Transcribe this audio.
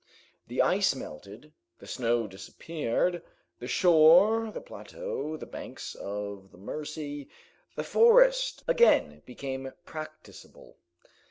The ice melted, the snow disappeared; the shore, the plateau, the banks of the Mercy, the forest, again became practicable.